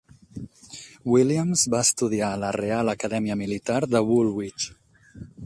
Williams va estudiar a la Real Acadèmia Militar de Woolwich.